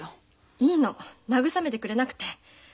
いいの慰めてくれなくて。